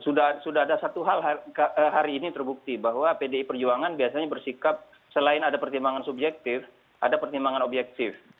sudah ada satu hal hari ini terbukti bahwa pdi perjuangan biasanya bersikap selain ada pertimbangan subjektif ada pertimbangan objektif